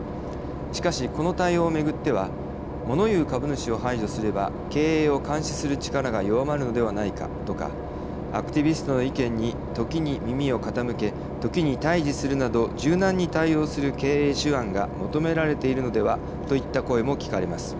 しかしこの対応を巡ってはもの言う株主を排除すれば経営を監視する力が弱まるのではないかとかアクティビストの意見に時に耳を傾け時に対じするなど柔軟に対応する経営手腕が求められているのではといった声も聞かれます。